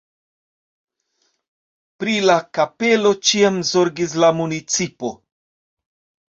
Pri la kapelo ĉiam zorgis la municipo.